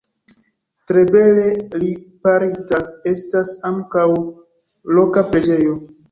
Tre bele riparita estas ankaŭ loka preĝejo.